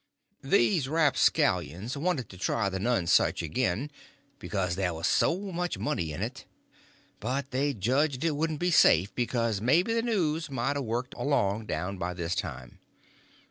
These rapscallions wanted to try the Nonesuch again, because there was so much money in it, but they judged it wouldn't be safe, because maybe the news might a worked along down by this time.